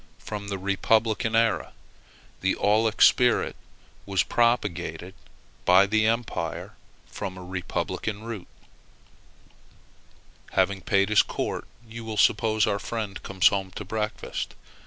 from the republican era. The aulic spirit was propagated by the Empire, but from a republican root. Having paid his court, you will suppose that our friend comes home to breakfast.